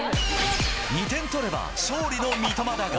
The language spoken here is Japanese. ２点取れば、勝利の三笘だが。